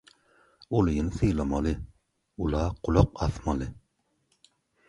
Ulyny sylamaly, ula gulak asmaly.